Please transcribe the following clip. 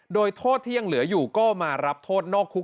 โดยโทษที่ยังเหลืออยู่ก็มารับโทษนอกคุก